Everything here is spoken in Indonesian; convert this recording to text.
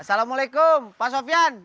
assalamualaikum pak sofyan